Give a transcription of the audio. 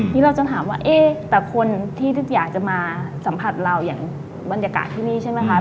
นี่เราจะถามว่าเอ๊ะแต่คนที่อยากจะมาสัมผัสเราอย่างบรรยากาศที่นี่ใช่ไหมคะ